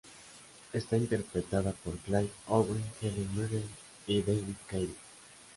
Está interpretada por Clive Owen, Helen Mirren y David Kelly.